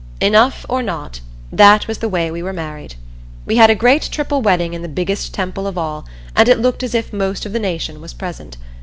Enough or not, that was the way we were married. We had a great triple wedding in the biggest temple of all, and it looked as if most of the nation was present.